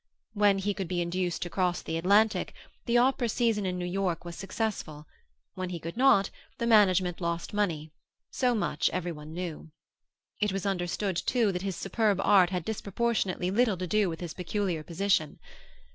When he could be induced to cross the Atlantic, the opera season in New York was successful; when he could not, the management lost money; so much everyone knew. It was understood, too, that his superb art had disproportionately little to do with his peculiar position.